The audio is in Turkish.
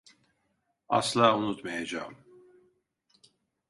Asla unutmayacağım.